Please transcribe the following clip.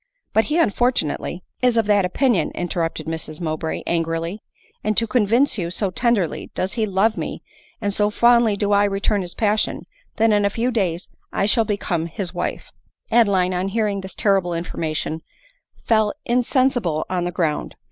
But he, unfortunately "" Is of that opinion," interrupted Mrs Mowbray, an grily : and to convince you — so tenderly does he love me, and so fondly do I return his passion, that in a few days I shall become his wife." Adeline, on hearing this terrible information, fell in sensible on the ground.